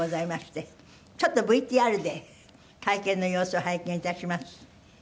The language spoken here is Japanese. ちょっとＶＴＲで会見の様子を拝見いたします。